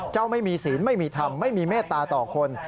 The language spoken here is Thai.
ไม่มีศีลไม่มีธรรมไม่มีเมตตาต่อคน